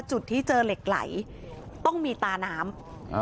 จุดที่เจอเหล็กไหลต้องมีตาน้ำ